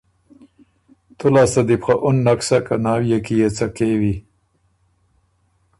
تُو لاسته دی بو خه اُن نک سۀ که ناويې کی يې څۀ کېوی